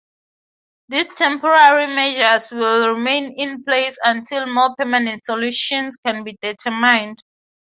These temporary measures will remain in place until more permanent solutions can be determined.